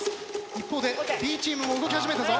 一方でＢチームも動き始めたぞ。